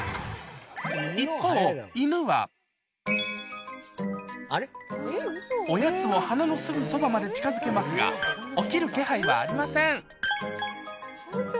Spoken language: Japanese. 一方おやつを鼻のすぐそばまで近づけますが起きる気配はありません